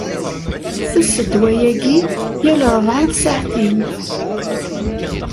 Tess ddwa-agi yal rebɛa n tsaɛtin.